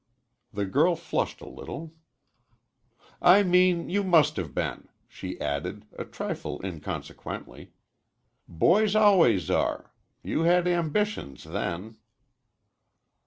The girl flushed a little. "I mean, you must have been," she added, a trifle inconsequently. "Boys always are. You had ambitions, then."